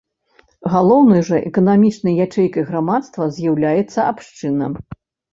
Галоўнай жа эканамічнай ячэйкай грамадства з'яўлялася абшчына.